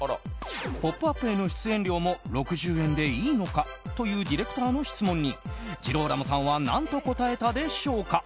「ポップＵＰ！」への出演料も６０円でいいのかというディレクターの質問にジローラモさんは何と答えたでしょうか？